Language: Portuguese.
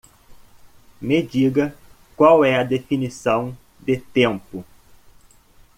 Me diga qual é definição de tempo.